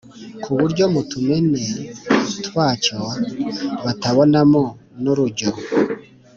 ku buryo mu tumene twacyo batabonamo n’urujyo,